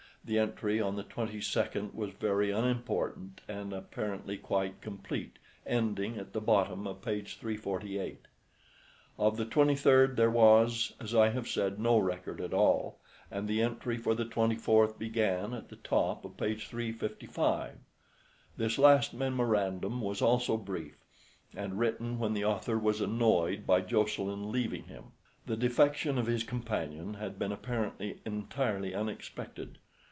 The entry on the 22d was very unimportant and apparently quite complete, ending at the bottom of page 348. Of the 23d there was, as I have said, no record at all, and the entry for the 24th began at the top of page 355. This last memorandum was also brief, and written when the author was annoyed by Jocelyn leaving him. The defection of his companion had been apparently entirely unexpected.